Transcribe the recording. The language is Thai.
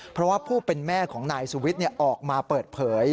เพราะว่าผู้เป็นแม่ของนายสุวิทย์ออกมาเปิดเผย